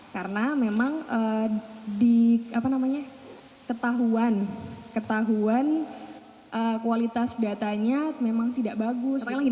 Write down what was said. karena memang di ketahuan kualitas datanya memang tidak bagus